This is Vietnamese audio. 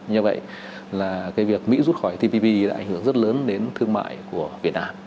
như vậy là việc mỹ rút khỏi tpp đã ảnh hưởng rất lớn đến thương mại của việt nam